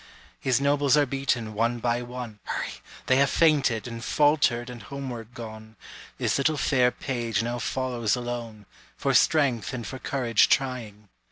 His nobles are beaten, one by one; (Hurry!) They have fainted, and faltered, and homeward gone; His little fair page now follows alone, For strength and for courage trying!